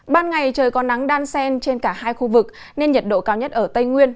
ban ngày trời có nắng đan sen trên cả hai khu vực nên nhiệt độ cao nhất ở tây nguyên